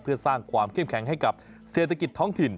เพื่อสร้างความเข้มแข็งให้กับเศรษฐกิจท้องถิ่น